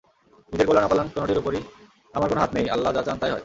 নিজের কল্যাণ-অকল্যাণ কোনটির উপরই আমার কোন হাত নেই- আল্লাহ যা চান তাই হয়।